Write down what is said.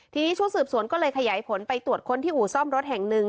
ทีนี้ชุดสืบสวนก็เลยขยายผลไปตรวจค้นที่อู่ซ่อมรถแห่งหนึ่ง